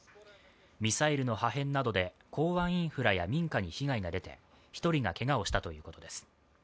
ミサイルの破片などで港湾インフラや民家などに被害が出て、１人がけがをしたということです。